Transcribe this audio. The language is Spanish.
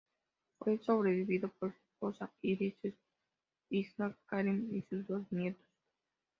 Fue sobrevivido por su esposa Iris, su hija Karen y dos nietos.